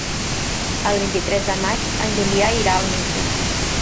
El vint-i-tres de maig en Julià irà al metge.